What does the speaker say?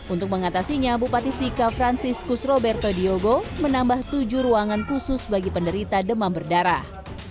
untuk mengatasinya bupati sika franciscus roberto diogo menambah tujuh ruangan khusus bagi penderita demam berdarah